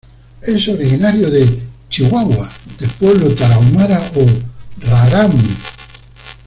Es originario de Chihuahua, del pueblo tarahumara o rarámuri.